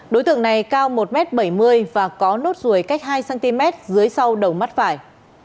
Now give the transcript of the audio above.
đối tượng này cao một m bảy mươi và có nốt ruồi cách hai cm dưới sau đầu mắt phải